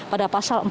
pada pasal empat